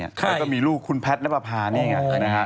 แล้วก็มีลูกคุณแพทน์และปาพานี่อย่างนั้น